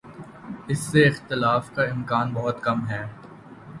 اس سے اختلاف کا امکان بہت کم ہے۔